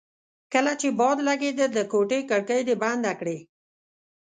کله چې باد لګېده د کوټې کړکۍ دې بندې کړې.